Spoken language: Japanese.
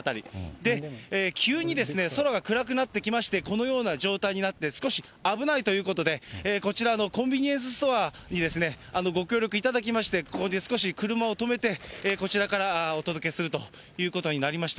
で、急に空が暗くなってきまして、このような状態になって、少し危ないということで、こちらのコンビニエンスストアにご協力いただきまして、ここで少し車を止めて、こちらからお届けするということになりました。